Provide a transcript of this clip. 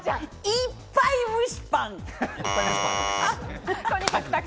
いっぱい蒸しパン！